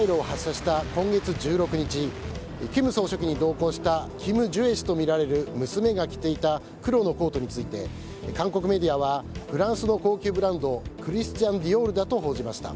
北朝鮮が弾道ミサイルを発射した今月１６日金総書記に同行したキム・ジュエ氏とみられる娘が着ていた黒のコートについて韓国メディアはフランスの高級ブランドクリスチャン・ディオールだと報じました。